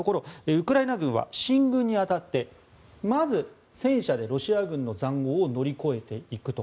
ウクライナ軍は進軍に当たってまず、戦車でロシア軍の塹壕を乗り越えていくと。